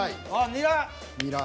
ニラ。